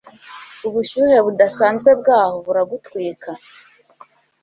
ubushyuhe budasanzwe bwaho buragutwika